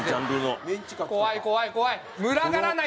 怖い怖い怖い！